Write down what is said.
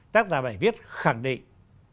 tác giả bài viết khẳng định